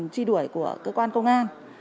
tri đuổi của cơ quan công an